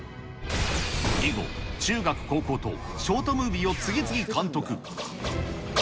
以後、中学、高校とショートムービーを次々監督。